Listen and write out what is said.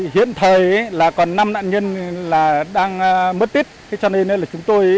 hiện thời là còn năm nạn nhân là đang mất tích